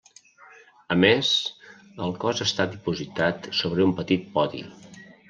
A més, el cos està dipositat sobre un petit podi.